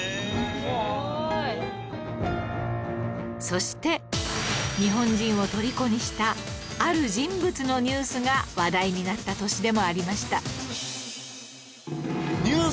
そして日本人を虜にしたある人物のニュースが話題になった年でもありました